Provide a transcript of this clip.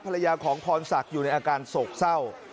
ภรรยาของพรศักดิ์อยู่ในอาการโศกเศร้า